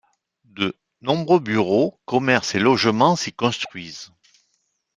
De nombreux bureaux, commerces et logements s'y construisent.